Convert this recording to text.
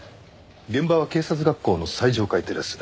現場は警察学校の最上階テラス。